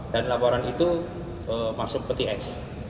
dan laporan itu masuk peti es